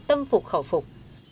tâm phục khẩu phục